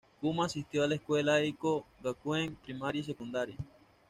Kuma asistió a la escuela Eiko Gakuen primaria y secundaria.